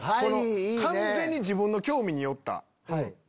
完全に自分の興味に寄った。